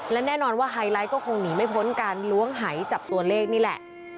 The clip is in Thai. และแน่นอนว่าไฮไลท์ก็คงหนีไม่พ้นการล้วงหายจับตัวเลขนี่แหละ